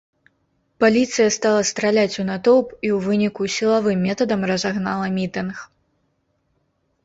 Паліцыя стала страляць у натоўп і ў выніку сілавым метадам разагнала мітынг.